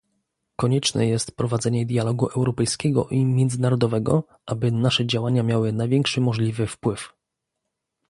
Konieczne jest prowadzenie dialogu europejskiego i międzynarodowego, aby nasze działania miały największy możliwy wpływ